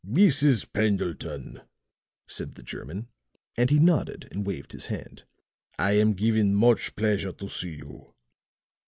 "Mrs. Pendleton," said the German, and he nodded and waved his hand, "I am given much pleasure to see you."